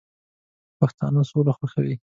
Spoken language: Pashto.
پښتانه سوله خوښوي